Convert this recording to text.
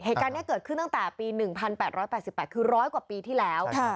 เหตุการณ์นี้เกิดขึ้นตั้งแต่ปี๑๘๘คือ๑๐๐กว่าปีที่แล้ว